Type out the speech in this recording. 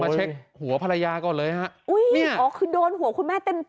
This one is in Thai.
เช็คหัวภรรยาก่อนเลยฮะอุ้ยนี่อ๋อคือโดนหัวคุณแม่เต็ม